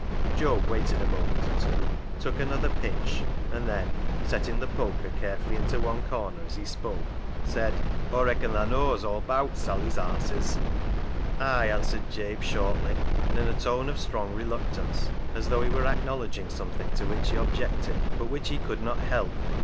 Job waited a moment or two, took another pinch, and then, setting the poker carefully into one corner as he spoke, said —" Aw reacon tha knows AwVe bowt Sally's haases." " Ay !" answered Jabe shortly, and in a tone of strong reluctance, as though he were acknowledging something to which he objected, but which he could not help.